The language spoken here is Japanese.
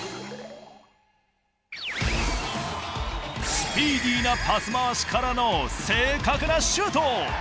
スピーディーなパス回しからの正確なシュート。